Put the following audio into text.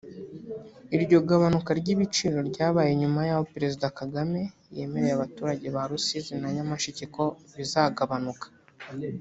Iryo gabanuka ry’ibiciro ryabaye nyuma y’aho Perezida Kagame yemereye abaturage ba Rusizi na Nyamasheke ko bizagabanuka